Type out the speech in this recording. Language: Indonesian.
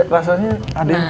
oke rasanya ada yang